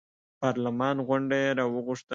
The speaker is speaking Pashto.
پارلمان غونډه یې راوغوښته.